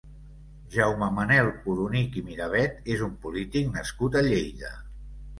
Jaume Manel Oronich i Miravet és un polític nascut a Lleida.